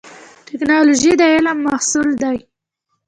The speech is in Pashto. ټکنالوژي د علم محصول دی